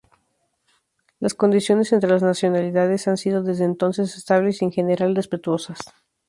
Las condiciones entre las nacionalidades han sido desde entonces estables y en general respetuosas.